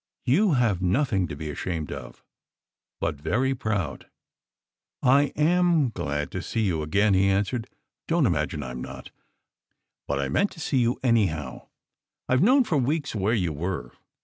You have nothing to be ashamed of but very proud." "I am glad to see you again," he answered. "Don t imagine I m not! But I meant to see you, anyhow. I ve known for weeks where you were.